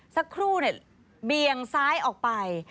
สักครู่เบียงซ้ายออกไป